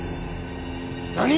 何！？